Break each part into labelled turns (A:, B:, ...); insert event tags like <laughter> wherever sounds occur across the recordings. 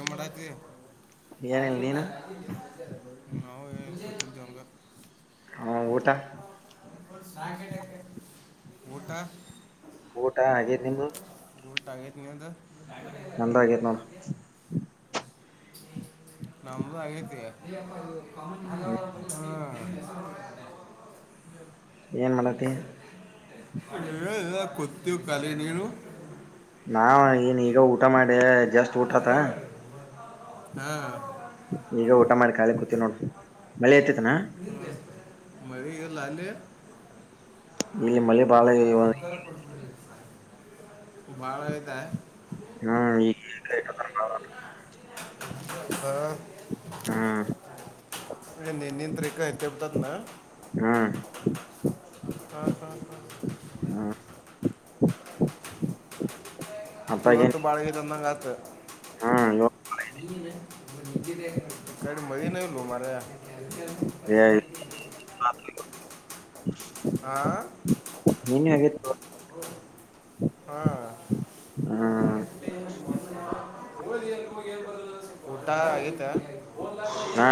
A: A ಮಾಡಡತ
B: ಏನಿಲ್ಲ ನೀನು
A: ನಾವು ಏನು ಸತ ಜನ್ಗ
B: ಹ ಊಟ
A: ಬಊಟ
B: ಊಟ ಹಾಗೆ ನಿಮ್ದ
A: ಊಟಾಗತ ನೀ ಅದು
B: ನಂದಾಗಿೇ ನೋಡ
A: ನಮ್ಮದು ಆಗೇತ
B: ಹ್ಮ್
A: ಹಾ
B: ಏನ್ ಮಾಡತಿ
A: ಏಲ್ಲ ಕೊತ್ತವಿ ಕಾಲ ನೀನು
B: ನಾ ಏನ್ ಈಗ ಊಟ ಮಾಡೆ ಜಸ್ಟ್ ಊಟ ಆತ
A: ಹಾ
B: ಈಗ ಊಟ ಮಾಡಿ ಕಾಯಿ ಕುೂತೀವಿ ನೋಡಿ ಮಳೆ ತಿತ್ನಾ
A: ಮಳಲ್ಲಾಲ
B: ಇಲ್ಲಿ ಮಳೆ ಬಾಳ
A: ಉ ಬಾಳ ಇತಾಯ
B: ಹಾ ರ್ದು
A: ಹ
B: ಹಾ
A: ನೀ ನೀಂತಕತಪ್ಪ್ದ ನ
B: ಹಾ
A: ಹಾ ಹ ಯುವತ್ತು ಬಾಳಗರೊಂದಂಗತ್ತು
B: ಹಾ
A: ಕಡೆ ಮಜೆ ನ ಉಲ್ಲ ಮಾರ
B: ಎ
A: ಆಾ
B: ನೋಡ್
A: ಹಾ
B: ಹ್ಮ್
A: ಊಟಾ ಆಗತ
B: ಹಾ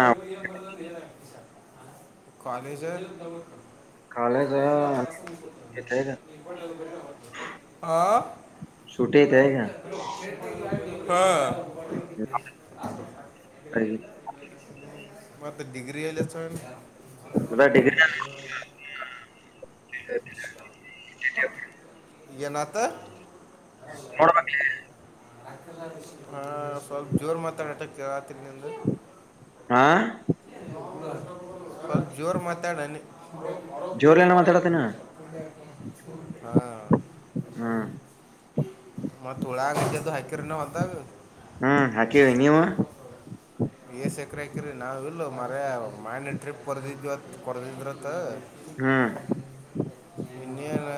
A: ಕಜ
B: ಕಾಲೇಜ
A: ಆಾ
B: ಸೂಟಿ ಐತೆ ಈಗ
A: ಹಾ
B: ಅ
A: ಮತ್ತ ಡಿಗ್ರಿ ಇಲ್ಲ ಸ
B: ದ ಡಿಗ್ರಿ ಹ
A: ಎನತ್ತ
B: ನೋಡ್ಬ
A: ಹಾ ಸ್ವಲ್ ಜೋರ್ ಮಾತಾಡಟಕ್ಕೆ ರಾತ್ರಿ ನಿಂದು
B: ಆಾ
A: ಸ್ವಲ್ಪ ಜೋರ್ ಮಾತಾಡಣ
B: ಜೋರ್ಲೆನ ಮಾತಾಡತೇನ
A: ಹಾ
B: ಹ್ಮ
A: ಮಳ ಗತ್ಯೆದು ಹೈಕರ ನ ಹೊಂತು
B: ಹ್ಮ್ ಹಾಕಿವಿ ನೀವು
A: ಎ ಸೆಕರಕರಿ ನಾವ ಇಲ ಮ ಮಾನ ಪ್ ಪದಿ ಪದಿದ್ರತ
B: ಹ್ಮ್
A: ಇನಿಯ ನ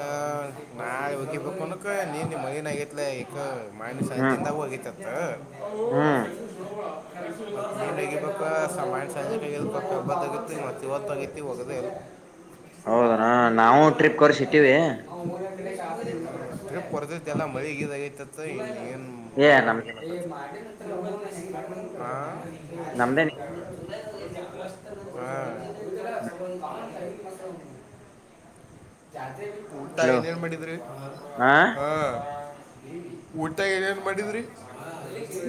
A: ನಾ ಹಕಿಫಕನತ್ ನೀ ಮಗನ್ ಆಗತ್ಲ ಮಾಣಸ
B: ಹ್ಮ್
A: ಅಂಜಿನಿಂದ ಹೋಗಿತತ್ತು
B: ಹ್ಮ್
A: ಹಗೆ ಪಪಾ ಸಮಜ ಕಬ್ಬಗೈತಿ ಮತ್ತ ಇವತ್ತು ಆಗೈತಿ ಒೋಗದೇ ಇಲ್
B: ಹೌದನಾ ನಾವು ಟ್ರಿಪ್ ಕೊರೆಸಿಟ್ಟೀವಿ
A: ಟ್ರಿಪ್ ಹೊರತೈತೆ ಎಲ್ಲ ಮರಿೀದಗೈತಿತ್ತು ಏನ್
B: ಏ ನಮ
A: ಮಾಡ ಹ <unintelligible>
B: ನಮ್ದೇನೆ
A: ಹಾ್ <unintelligible> ಊಟ
B: ಹಲೋ
A: ಏನೇನ್ ಮಾಡಿದ್ರಿ
B: ಹ
A: ಹಾ ಊಟಾಗ ಏನೇನ್ ಮಾಡಿದ್ರಿ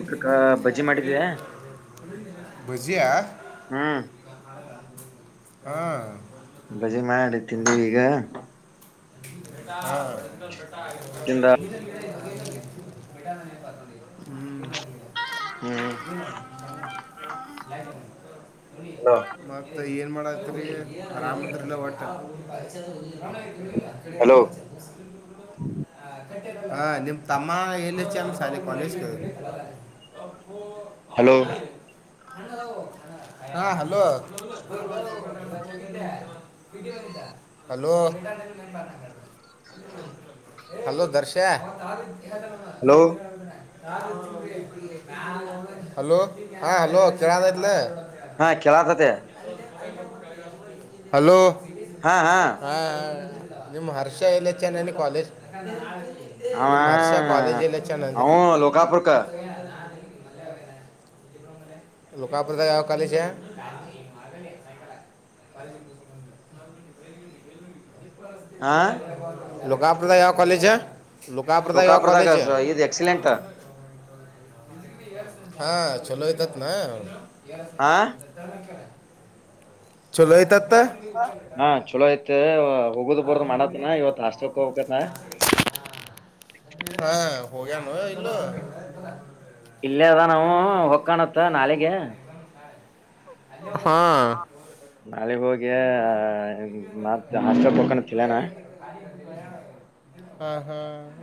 B: ಊಟಕ ಬಜ್ಜಿ ಮಾಡಿದೀವಿ
A: ಬಜಿಯಾ
B: ಹ್ಮ್
A: ಹಾ
B: ಬಜಿ ಮಾಡಿ ತಿಿಂದವಿ ಈಗ
A: <inaudible> ಹಾ
B: ಎಿಂದ
A: ಹ್ಮ
B: ಹ್ಮ್ <unintelligible>
A: ಲಫ
B: ಹಲೋ
A: <unintelligible> ಮತ್ತ ಏನ್ ಮಾಡತ್ರಿ ಆರಾಮದ್ರಲ್ಲ ಹೊಟ್ಟ. <inaudible>
B: ಹಲೋ
A: ಅಡೆ. ಹಾ ನಿಮ್ ತಮ್ಮ ಏನ್ ಹೆಚ್ಚಲ್ಲ ಸಾಲಿ ಕಾಲೇಜಿಗೆ <inaudible> ಅಪ್ಪ
B: ಹಲೋ
A: ಅವನು <inaudible> ಹಾ hello. <inaudible> Hello. <inaudible> Hello ದರ್ಶೆ. <inaudible>
B: Hello
A: <inaudible> hello ಹಾ ಹಲೋ ಕೇಳ ಕತ್ತಲ.
B: ಹಾ ಕೆಲಾತತೆ.
A: <inaudible> ಹಲೋ
B: ಹಾ ಹಾ
A: ಹ. ನಿಮ್ಮ ಹರ್ಷ ಇಲ್ಲ ಚೆನ್ನನ ಕಾಲೇಜ್.
B: ಅವ
A: ನಿಮ್ಮ ಹರ್ಷ ಕಾಲೇಜ ಜಿಲ್ಲ ಚನ್ನಂತೆ
B: ಅವ
A: <inaudible> <inaudible>
B: ಲೋಕಾಪುರ್ಕ
A: ಲೋಕಪುರದಲ್ಲಿ ಯಾವ ಕಾಲೇಜು. <inaudible> <inaudible>
B: ಹ
A: ಲೋಕಪುರದಾಗ ಯಾವ ಕಾಲಜ ಹ ಲೋಕಾಪುರದ ಯಾವ ಕಾಲಜ ಹ.
B: ಇದು ಎಕ್ಸಿಲೆಂಟಾ.
A: ಹಾ ಚಲೋಯತತ್ ನ. ಚಲೋಯತತ್ತ.
B: ಹಾ ಚಲೋ ಐತ್ ಉಗದ್ ಬರ್ದ ಮಾಡತ್ನ ಇವತ್ ಹಸ್ಕ್ಕ ಹೋಗಬೇಕತ್ತ.
A: ಹಾ ಹೊಗ ನ ಇಲ್ಲ. <unintelligible>
B: ಇಲ್ಲೇ ಅದ ನಾವು ಹೊಕ್ಕಾಣತ್ತ ನಾಲಿಗೆ
A: ಹಾ
B: ನಾಳ ಹೋಗೋಗಿ ಮ ಹಂತ ಕಕೊಂಡಲ್ಲ ನ.
A: ಹಾ ಹಾ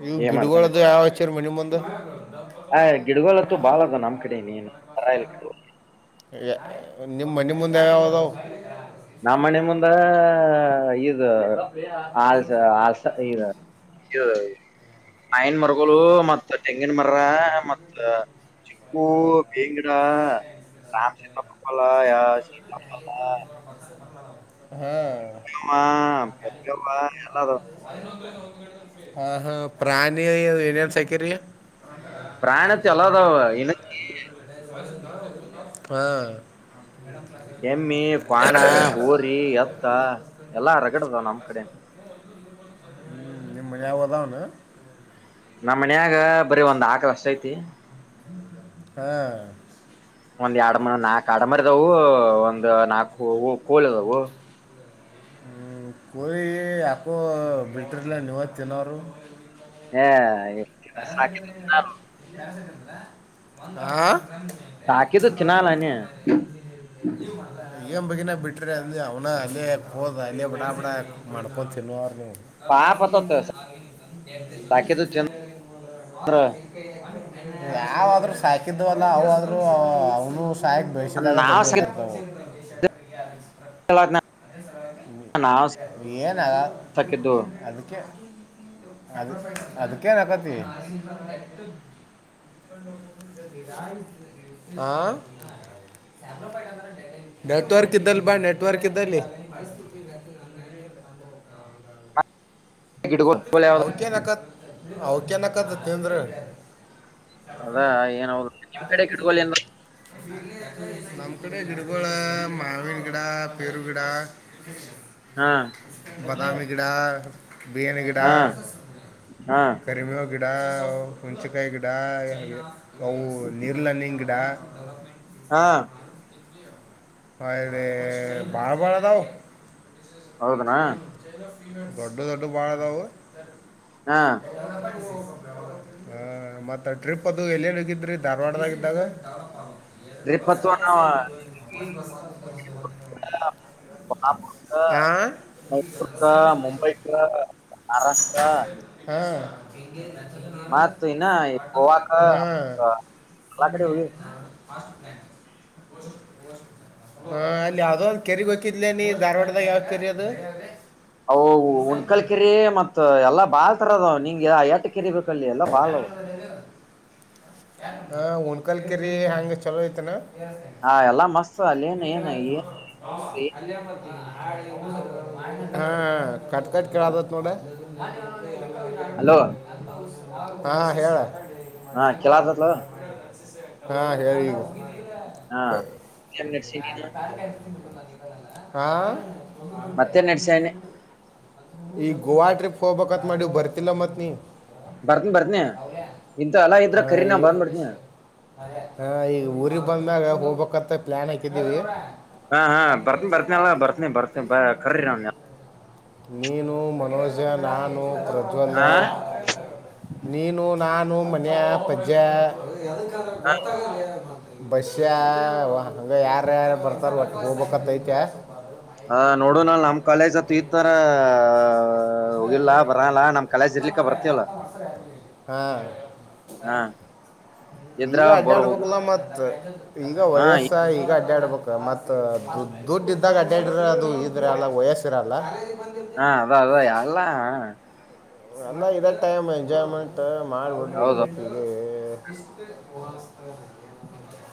A: ಇವ
B: ಏನ್ ಮಾಡ್ತಾನೆ
A: ಗಿಡಗಳ್ದ ಯಾವಚರ ಮನೆ ಮುಂದ.
B: ಆ್ ಗಿಡಗೋತ್ತು ಬಾಳದ ನಮ್ಮ್ ಕಡೆ ನೇನುರ ಗಿ.
A: ನಿಮ್ಮ ನಿಮ್ಮಂದೆ ಯಾವದಾವ.
B: ನಮ್ಮ್ ಮನೆ ಮುಂದ ಇದು ಆಲ್ಸ ಆಲ್ಸ ಈ. ಆಯಿನ ಮರಗಳು ಮತ್ತ ತೆಂಗಿನ ಮರ ಮತ್. ಭೇಡ. ರಾಮಸ ಪಪ್ಪಲ್ಲ ಯ ಶೀತ ಲಪಲ್ಲ.
A: ಹಾ.
B: ಎಲ್ಲ.
A: ಹ ಹಾ ಪ್ರಾಣಿ ಎನನ್ ಸಕ್ಕರಿ
B: ಪ್ರಾಣಕ್ಕೆ ಅಲದಾವಕ್ಕೆ
A: ಹಾ
B: ಎಮ್ಮಿ ಕಾಣ ಊರಿ ಎತ್ತ ಎಲ್ಲಾ ಹರಗಡದಾವ್ ನಮ ಕಡೆ
A: ಮ ಯಾವದಾನ
B: ನಮ್ಮ್ ಮನಾಗ ಬರೀ ಒಂದ್ ಆಕಳ ಅಷ್ಟ ಐತಿ
A: ಹಾ
B: ಒಂದ್ ಎರಡ ನಾಕ್ ಆಡಮರದವು ಒಂದು ನಾಕು ಕೋಳ ಇದದವು
A: ಹ ಕಯ ಯಕ್ಕೋ ಬಿಟ್ರಲ್ಲ ನಿವತ್ತುತಿನೋವರು
B: ಹಾ ಸಾಕ ನ.
A: ಹಾ
B: ಸಾಕಿದು ತಿನ್ನಲ್ಲಾನ
A: ಈಗನ್ ಬಗಿನ ಬಿಟ್ರ ಅ ಅವನ ಅಲ್ಲಿ ಹೋದ ಅಲ್ಲಿ ಬಡಾ ಬಡ ಮಾಡ್ಕ್ಯಾನ್ ತಿನ್ನೋರ್ ನೀವು
B: ಪಾಪ ಆತತ್
A: <inaudible>
B: ಹ <inaudible>
A: ಯಾವ್ರೂ ಸಾಕಿದ್ದವಲ್ಲ ಅವಾದ್ರೂ ಅವನು ಸಾಕ್ ಬಳಸಿದಾಗ
B: ನಾವ್
A: ದೊಡ್ಡತರ್ತು
B: ಸಾಕಿದ್ದ ನಾವ್
A: ಏನ
B: ಸಾಕಿದ್ದು
A: ಅದಕ್ಕೆ ಅದ ಅದಕ್ಕೇನ್ಕತಿ ಆ ನೆಟ್ವರ್ಕ್ ಇದ್ದಲ್ಲಿ ಬಾಯ ನೆಟ್ವರ್ಕ್ ಇದ್ದಲ್ಲಿ ಪರಿಸ್ಥಿತಿ
B: ಗಿಡಗಳು ಯಾವ್ದು
A: ಅವಕ ನಕತ್ ಅವಕ ನಕತ್ ತಿಂದ್ರ
B: ಅದಾ ಏನ ಕಡೆ ಏನ್
A: ನಮ್ ಕಡೆ ಗಿಡಗುಳ ಮಾವಿನ ಗಿಡ ಪೇರುಗಿಡ
B: ಹಾ
A: ಬದಾಮ ಗಿಡ ಬೆನಿ ಗಿಡ
B: ಹಾ ಹಾ
A: ಕ್ರಮಿಯ ಗಿಡ ಹುಣಸಿಕಾಯಿ ಗಿಡ ಅವು ನೀರ್ಲ್ಣಿ ಗಿಡ
B: ಹಾ
A: ಒಳ್ಳೆ ಬಾಳಬಾಳ ಅದಾವ್
B: ಹೌದನಾ
A: ದೊಡ್ಡು ದೊಡ್ಡಡು ಬಾಳ ದವು.
B: ಹಾ
A: ಹ ಮತ್ತ ಟ್ರಿಪ್ ಅದು ಎಲ್ಲೇನ್ ಹೋಗಿದ್ರಿ ಧಾರವಾಡದಾಗ್ದಾಗ
B: ರರಿಪ್ಪತ್ ನ
A: ಆ
B: ನಾಗಪುರ್ ಕ ಮುಂಬೈ ಕ ಮಹಾರಾಷ್ಟ್ರ
A: ಹಾ ಎ ನಕ್ಷತ್ರ
B: ಮತ್ ಈನಾ ಗೋವಾಕ ಎಲ್ಲ ಕಡೆ ಹೋಗಿವಿ
A: ಫಾಸ್ಟ್ ಲ್ಯಾಕ್ ಹಾ ಅಲ್ಲಿ ಯಾವ್ದೋ ಒಂದು ಕೆರೆಗ್ ಹಕಿದ್ಲ ನೀ ಧಾರವಾಡದಾಗ ಯಾವ್ದ ಕೆರಿ ಅದು
B: ಅವು ಉನ್ಕಲ್ ಕೆರಿ ಮತ್ ಎಲ್ಲಾ ಬಾಳ್ತರದ್ ನಿಂಗ ತ್ತ ಕೆರಿ ಬೇಕಲ್ಲಿ ಎಲ್ಲಾ ಬಾಳವ್
A: ಹ ಹಣಕಲ್ ಕೆರಿ ಹಂಗ ಚಲೋ ಐತನಾ
B: ಹಾ ಎಲ್ಲಾ ಮಸ್ತ್ ಅಲ್ಲ ಏನ್ ಏನ ಈ
A: ಹಾ ಕಟ್ ಕಟ್ ಕೇಳದತ್ ನೋಡ ಭ
B: ಹಲೋ
A: ಹಾ ಹೇಳ
B: ಹಾ ಕೆಲ ಅತಲ್ಲ
A: ಹಾ ಹೇಳಿ
B: ಹಾ ಮತ್ತೇನ್ ನಡ್ಸಿ ನೀನು
A: ಆಾ
B: ಮತ್ತೆ ನಡ್ಸೇನೆ
A: ಈ ಗೋವಾ ಟ್ರಿಪ್ ಹೋಗ್ಬೇಕತ್ ಮಾಡಿ ಬರ್ತಿಲ್ಲ ಮತ್ ನೀ
B: ಬರ್ತನಿ ಬರ್ತನಿ ಇಂತ ಅಲ ಇದ್ರಖರಿೀ ನಾ ಬರ್ಂದ್ ಬಿಡ್ತನಿ
A: ಹಾ ಈಗ ಊರಿಗೆಗ್ ಬಂದಾಗ ಹೋಗ್ಬೇಕಂತ ಪ್ಲಾನ್ ಹಾಕಿದವಿ
B: ಹಾ ಹಾ ಬರ್ನಿ ಬರ್ತನಿ ಅಲ್ಲ ಬರ್ತನಿ ಬರ್ತನಿ ಬ ಕರ್ರಿ ನ್
A: ನೀನು ಮನೋಜ ನಾನು ಪ್ರಜ್ವಲ್ಲ
B: ಹಾ
A: ನೀನು ನಾನು ಮನೆೆಯ ಪಜ್ಜೆ ಬಸ್ಸ ಹಂಗ ಯಾರ ಯಾರು ಬರ್ತಾರ ಒಟ್ಟ ಹೋಗ್ಬೇಕಂತ ಐತಿ
B: ಹ ನೋಡು ನ ನಮ ಕಾಲೇಜ್ ಹತ್ ಈತರ ಹೋಗಿಲ್ಲ ಬರಲ್ಲ ನಮ್ ಕಾಲೇಜ್ ಇರ್ಲಿಕ್ಕ ಬರ್ತವಲ್ಲ
A: ಹಾ
B: ಹಾ ಇದ್ರ
A: ಹಿಂಗ ಅಡ್ಡಾ
B: ಬರ್ ಹೋಗ
A: ಆಡ್ಬೇಕಲ್ಲಾ ಮತ್ ಹಿಂಗ
B: ಹಾ
A: ವಯಸ್ಸ ಈಗ ಅಡ್ಡಾಡ್ಬೇಕ ಮತ್ತ ದು ದುಡ್ಡು ಇದ್ದಾಗ ಅಡ್ಡ್ಯಾಡ್ರ ಅದು ಇದ್ರೆ ಅಲ್ಲ ವಯಸ್ಸಿರಲ್ಲ
B: ಹಾ ಅದ ಅದ ಯಾವಲ್ಲ
A: ಅಂದ ಇದ ಟೈಮ್ ಎಂಜಾಯ್ಮೆಂಟ್ ಮಾಡ್ಬಿಟ್ಟ ಬಿಡ್ಬು
B: ಹೌದು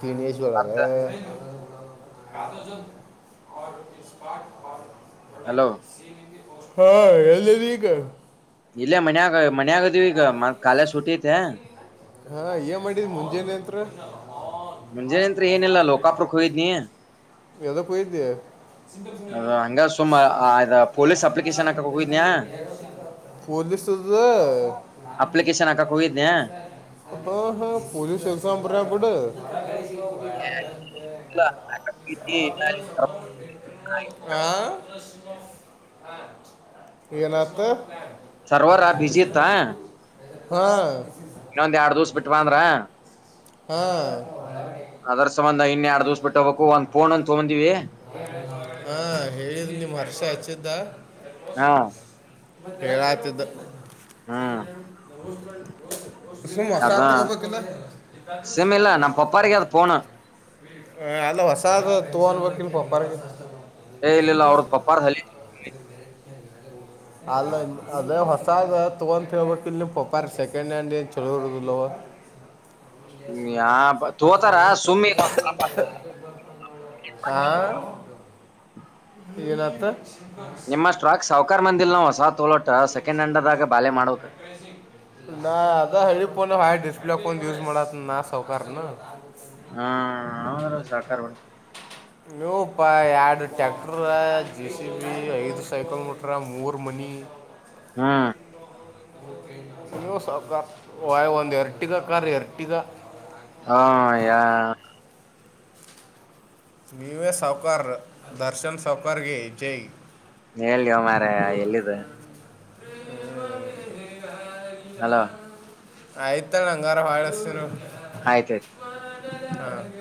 A: ಹ ನ್ ಏಜ್
B: ಮತ್ತ
A: ಮಾಡಳಾವ ಪ ಪ
B: ಹಲೋ
A: ಹಾ ಹೇಳ ರ ಈಗ
B: ಇಲ್ಲೇ ಮನ್ ಆಾಗ ಮನ್ ಆಗದಿವವಿ ಈಗ ಮ ಕಾಲ ಸುಟಿ ಐತೆ
A: ಹಾ ಏನ್ ಮಾಡಿದ ಮುಂಜೇಾನಂತ
B: ಮುಂಜೆ ನಂತ್ ಏನಲ್ಲ ಲೋಕಾಪುಕ್ ಹೋಯಿದ್ನಿ
A: ಯದೋ ಪಯರುಿದ
B: ಅದ ಹಂಗ ಸುಮ ಪೊಲೀಸ್ ಅಪ್ಲಿಕೇಶನ್ ಹಾಕಕ್ ಹೋಗಿದಯ
A: ಹೂಲಿಸತ
B: ಅಪ್ಲಿಕೇಶನ್ ಹಾಕಕ್ ಹೋಗಿದ್ದನನೆ
A: ಹಾ ಹಾ ಪೊಲೀಸ್ ಶಸನ್ ಕೊಡು
B: ಇಲ್ಲ
A: ಆಾ ಏನತ್ತು
B: ಸರ್ವರ್ ಬಿಜಿ ಇತ್ತ
A: ಹಾ
B: ಇನ್ನೊಂದ್ ಎಡ್ ದಿವಸ ಬಿಟ್ ಬ ಅಂದ್ರ
A: ಹಾ
B: ಅದರ ಸಂಬಂಧ ಇನ್ನನ್ ಎರಡ್ ದಿವ್ಸ ಬಿಟ್ಟ ಹೋಗಬೇಕು ಒಂದ ಫೋನ್ ಅ ತಗೊಂದಿವಿ
A: ನಿಮ್ಮರ್ಷ ಹಚ್ಚಿದ್ದ
B: ಹಾ
A: ಹೇಳಾತ್ದ
B: ಹ್ಮ್
A: <unintelligible> ಸುಮುವ ಸಾತ ಬ ಕಲ್ಲ <unintelligible>
B: ಸೇಮಿ ಇಿಲ್ಲ ನಮ್ಮ ಪಪ್ಪಾಾರಿಗೆ ಅದು ಫೋನ್
A: ಹ ಅಲ್ಲ ಹೊಸಾದ ತೂ ಅನ್ಬೇಕಕ್ ಇಲ್ ಪಪ್ಪಾರ ಗೆ
B: ಏ ಇಿಲ್ಲ ಅವ್ರದ್ದ ಪಪ್ಪಾರ್ ಹಲಿ
A: ಅಲ್ಲ ಅದೇ ಹೊಸಾದ ತಗೊಂತ ಹಳ್ಬೇಕ ಇಲ್ ನಿಮ್ ಪಪಾರ ಸೆಕೆಂಡ್ ಹ್ಯಾಂಡ್ ಏನ್ ಚಲೋ ಇರದಲ್ವ
B: ಯಾ ತೋತಾರ ಸುಮ್ಮಿ <unintelligible>
A: ಹಾ ಏನತ
B: ನಿಮ್ಮ ಸ್ಟ್ರಾಕ್ ಸಾವುಕಾರ್ ಮಂದಿಲ್ ನಾವು ಹೊಸ ತೋಲೋಟೆ ಸೆಕೆಂಡ್ ಹೆಂಡದಾಗ ಬಾಳೆ ಮಾಡ್ಬೇಕ್
A: ನ ಅದ ಹಳಿಫೋನ್ ಹಾಳ್ ಡಿಸ್ಪ್ಲೆಫೋನ್ ಯೂಸ್ ಮಾಡತನ್ ನಾ ಸೌಕಾರೇನು
B: ಹಾ ನೌರ ಸಾಕಾರ ಮಾಡಿ
A: ನೀವು ಪ ಯಾರ್ಡ್ ಟ್ಯಾಕ್ಟರಾ ಜೆ ಸಿ ಬಿ ಐದು ಸೈಕಲ್ ಬಿಟ್ರ ಮೂರ್ ಮನಿ ನೀ
B: ಹಾಂ
A: ನೀವು ಸಾವ್ಕಾರ್ ವ ಒಂದು ಎರ್ಟಿಗ ಕಾರ್ ರಿ ಎರ್ಟಿಗ
B: ಹಾ ಯಾ
A: ನೀವೇ ಸಾವಕರ್ ದರ್ಶನ್ ಸಾವಕರ್ಗೆ ಜೈ
B: ನಿ ಎಲ್ಯೋ ಮಾರಾಯ ಎಲ್ಲಿದೆ
A: <inaudible>
B: ಹಲೋ
A: ಆಯ್ತ ನಂಗಾರ ಹಾಳಸ್ತರು
B: ಆಯ್ತಾಯ್ತು
A: <inaudible> ಹ